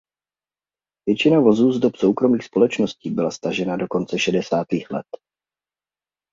Většina vozů z dob soukromých společností byla stažena do konce šedesátých let.